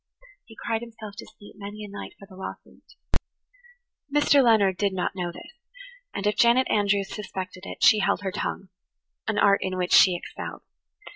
He cried himself to sleep many a night for the loss of it. Mr. Leonard did not know this, and if Janet Andrews suspected it she held her tongue–an art in which she excelled.